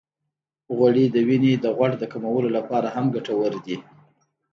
غوړې د وینې د غوړ د کمولو لپاره هم ګټورې دي.